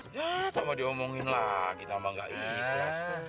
ya tak mau diomongin lagi tak mau gak ikhlas